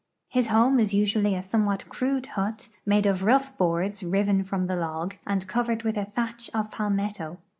His home is usually a somewhat crude hut, made of rough boards riven from the log, and covered with a thatch of pal metto.